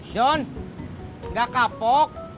john enggak kapok